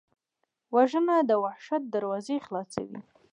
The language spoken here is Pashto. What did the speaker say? وژنه د وحشت دروازه خلاصوي